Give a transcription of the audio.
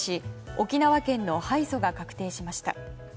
沖縄県の敗訴が確定しました。